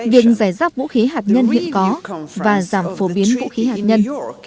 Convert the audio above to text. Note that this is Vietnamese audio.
việc giải rác vũ khí hạt nhân hiện có và giảm phổ biến vũ khí hạt nhân